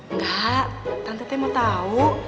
enggak tante mau tau